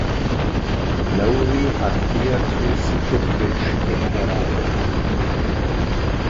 Lowry hat Beatrice Goodrich geheiratet.